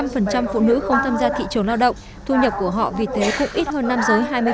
hai mươi năm phụ nữ không tham gia thị trường lao động thu nhập của họ vì thế cũng ít hơn năm giới hai mươi